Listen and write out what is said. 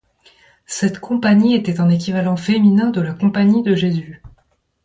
Cette compagnie était un équivalent féminin de la compagnie de Jésus.